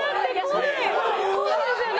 怖いですよね？